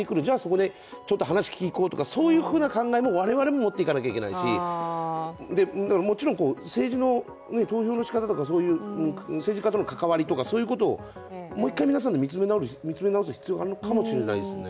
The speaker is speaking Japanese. ならちょっと話を聞きに行こうっていう考えを我々も持っていかなきゃいけないしもちろん政治の投票のしかたとか政治家との関わりとかそういうことをもう一回皆さんで見つめ直す必要があるかもしれないですね。